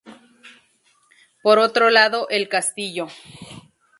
Por otro lado el Castillo.